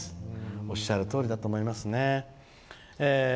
おっしゃるとおりだと思いますね。